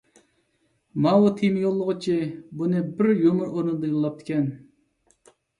ماۋۇ تېما يوللىغۇچى بۇنى بىر يۇمۇر ئورنىدا يوللاپتىكەن.